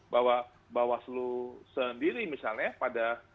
bahwa bawaslu sendiri misalnya